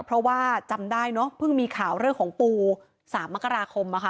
เพราะว่าจำได้เนอะเพิ่งมีข่าวเรื่องของปู๓มกราคมอะค่ะ